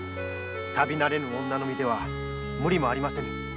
旅慣れぬ女の身では無理もありません。